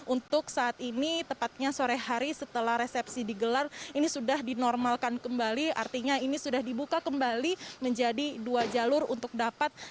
untuk saat ini tepatnya sore hari setelah resepsi digelar ini sudah dinormalkan kembali artinya ini sudah dibuka kembali menjadi dua jalur untuk dapat